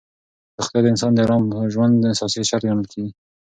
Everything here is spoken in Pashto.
روغتیا د انسان د ارام ژوند اساسي شرط ګڼل کېږي.